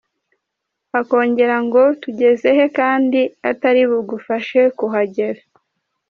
Akongera ngo tugeze he kandi atari bugufashe kuhagera.